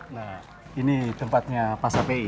nah ini tempatnya pak sapi